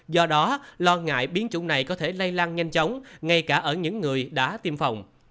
do đó lo ngại biến chủng này có thể lây lan nhanh chóng ngay cả ở những người đã tiêm phòng